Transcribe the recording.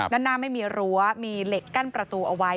ด้านหน้าไม่มีรั้วมีเหล็กกั้นประตูเอาไว้